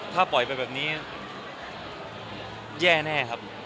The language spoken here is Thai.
ถ้าปล่อยไปแบบนี้แย่แน่ครับ